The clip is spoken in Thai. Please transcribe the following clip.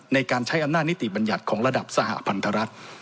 ในการใช้อำนาจนิติบัญญัติของระดับสหพันธรัฐ